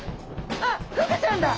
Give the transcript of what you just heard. あっフグちゃんだ！